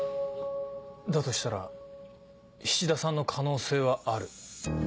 だとしたら菱田さんの可能性はある。